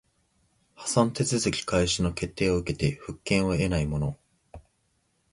破産手続開始の決定を受けて復権を得ない者